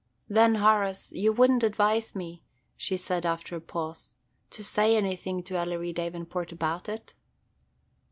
"Then, Horace, you would n't advise me," she said, after a pause, "to say anything to Ellery Davenport about it?"